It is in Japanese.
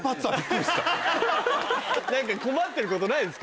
困ってることないですか？